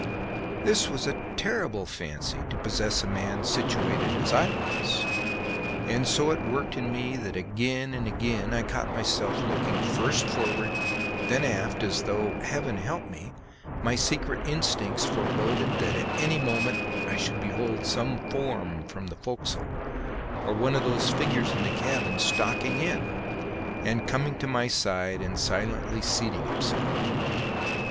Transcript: This was a terrible fancy to possess a man situated as I was, and it so worked in me that again and again I caught myself looking first forward, then aft, as though, Heaven help me! my secret instincts foreboded that at any moment I should behold some form from the forecastle, or one of those figures in the cabin, stalking in, and coming to my side and silently seating himself.